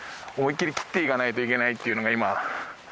思いっきり切っていかないといけないっていうのが今。